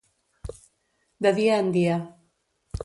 De dia en dia.